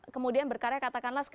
kemudian berkarya katakanlah